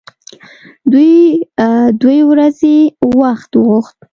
دوی دوې ورځې وخت وغوښت.